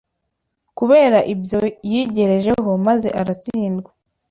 Kubera ibyo yigerejeho maze aratsindwa